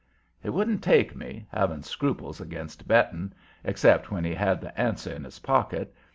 He wouldn't take me, having scruples against betting except when he had the answer in his pocket.